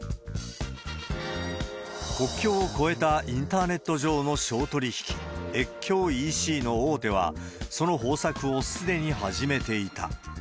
国境を越えたインターネット上の商取引、越境ＥＣの大手は、その方策をすでに始めていた。